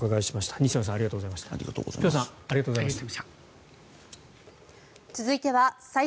西野さん、辺さんありがとうございました。